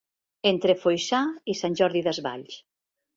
Entre Foixà i Sant Jordi Desvalls.